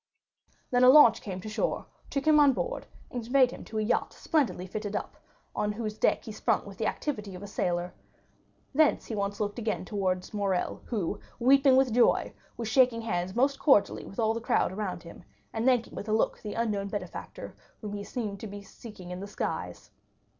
Then a launch came to shore, took him on board, and conveyed him to a yacht splendidly fitted up, on whose deck he sprung with the activity of a sailor; thence he once again looked towards Morrel, who, weeping with joy, was shaking hands most cordially with all the crowd around him, and thanking with a look the unknown benefactor whom he seemed to be seeking in the skies.